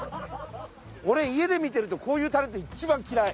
俺家で見てるとこういうタレント一番嫌い。